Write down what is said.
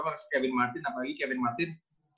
sama kevin martin apalagi kevin martin